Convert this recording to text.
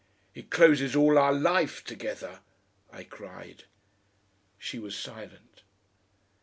"It closes all our life together," I cried. She was silent.